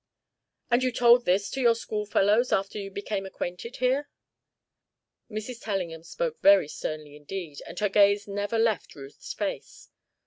"And you told this to your school fellows after you became acquainted here?" Mrs. Tellingham spoke very sternly indeed, and her gaze never left Ruth's face.